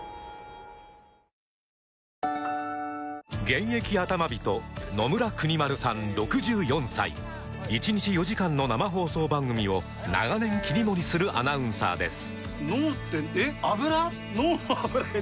現役アタマ人野村邦丸さん６４歳１日４時間の生放送番組を長年切り盛りするアナウンサーです